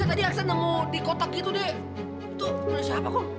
tadi aksan nunggu di kotak gitu deh itu punya siapa kong